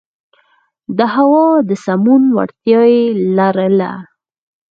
د هوا د سمون وړتیا یې لرله.